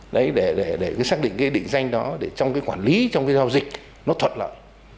đấy để xác định cái định danh đó để trong cái quản lý trong cái giao dịch nó thuận lợi